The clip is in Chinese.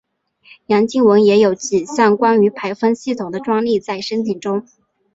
杨经文也有几项关于排风系统的专利在申请中。